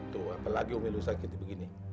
tuh apalagi umilu sakit begini